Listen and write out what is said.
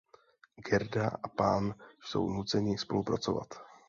Gerda a pán jsou nuceni spolupracovat.